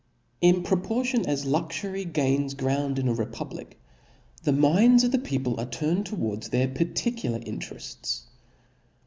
In proportion as lijxury gains ground in a repub lic, the minds of the people are turned towards their particular intereft$.